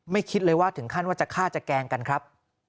คิดเลยว่าถึงขั้นว่าจะฆ่าจะแกล้งกันครับ